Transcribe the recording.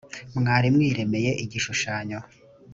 mwari mwiremeye igishushanyo.